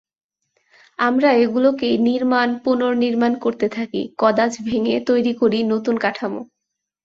আমরা এগুলোকেই নির্মাণ-পুনর্নির্মাণ করতে থাকি, কদাচ ভেঙে তৈরি করি নতুন কাঠামো।